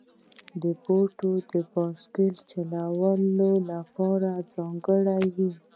بوټونه د بایسکل چلولو لپاره ځانګړي وي.